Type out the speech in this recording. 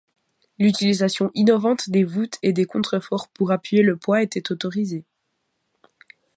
L'utilisation innovante des voûtes et des contreforts pour appuyer le poids était autorisé.